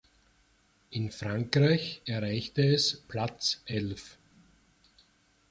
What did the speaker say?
In Frankreich erreichte es Platz elf.